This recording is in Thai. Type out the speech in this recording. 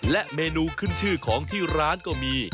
และเมนูขึ้นชื่อของที่ร้านก็มี